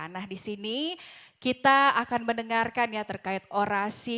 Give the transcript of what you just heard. nah disini kita akan mendengarkan ya terkait orasi